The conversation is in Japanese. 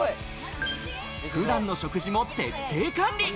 普段の食事も徹底管理。